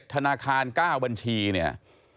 ธนาคาร๙บัญชีเนี่ย